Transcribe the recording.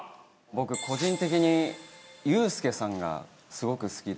僕個人的にユースケさんがすごく好きで。